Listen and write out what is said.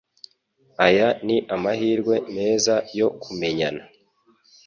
Aya ni amahirwe meza yo kumenyana